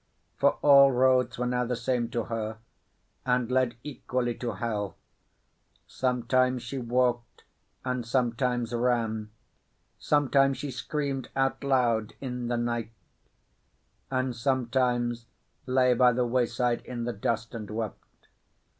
For all roads were now the same to her, and led equally to hell. Sometimes she walked, and sometimes ran; sometimes she screamed out loud in the night, and sometimes lay by the wayside in the dust and wept.